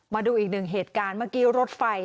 มาดูอีกหนึ่งเหตุการณ์เมื่อกี้รถไฟ